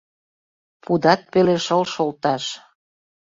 Пудат пеле шыл шолташ